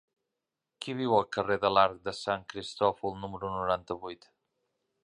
Qui viu al carrer de l'Arc de Sant Cristòfol número noranta-vuit?